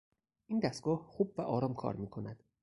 این دستگاه خوب و آرام کار میکند.